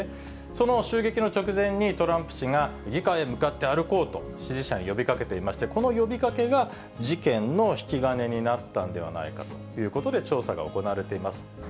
その襲撃の直前に、トランプ氏が、議会へ向かって歩こうと、支持者に呼びかけていまして、この呼びかけが、事件の引き金になったんではないかということで、調査が行われています。